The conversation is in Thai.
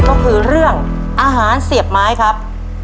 ก็คือเรื่องอาหารเสียบไม้ครับ